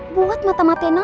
buat mata matian aku